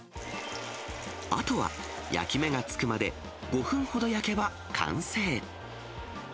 あとは、焼き目がつくまで５分ほど焼けば完成。